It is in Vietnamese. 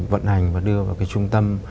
vận hành và đưa vào cái trung tâm